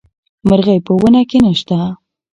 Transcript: مرغۍ په ونه کې نه شته.